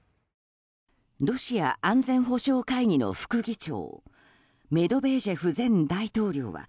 ロシア安全保障会議の副議長メドベージェフ前大統領は